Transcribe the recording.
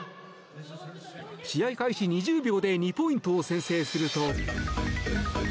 試合開始２０秒で２ポイントを先制すると。